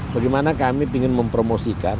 bagaimana kami ingin mempromosikan